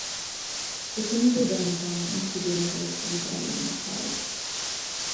The king's revenge on the instigators of the rebellion was hard.